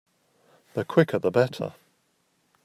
The quicker the better.